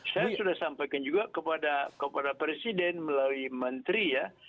saya sudah sampaikan juga kepada presiden melalui menteri ya